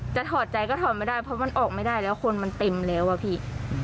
ถอดใจก็ถอดไม่ได้เพราะมันออกไม่ได้แล้วคนมันเต็มแล้วอะพี่